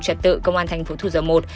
trật tự công an tp thủ dầu một